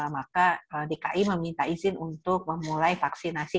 maka dki meminta izin untuk memulai vaksinasi